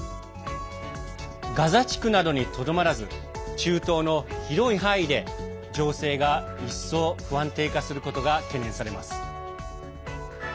ガザ地区などにとどまらず中東の広い範囲で情勢が一層、不安定化することが懸念されます。